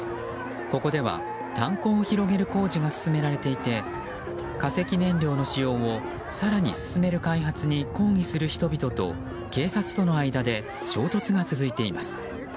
ここでは炭鉱を広げる工事が進められていて化石燃料の使用を更に進める開発に抗議する人々と、警察との間で衝突が続いています。